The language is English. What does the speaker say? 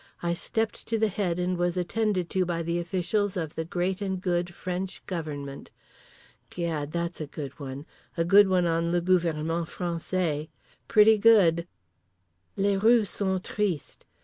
I stepped to the head and was attended to by the officials of the great and good French Government. Gad that's a good one. A good one on le gouvernement français. Pretty good. _Les rues sont tristes.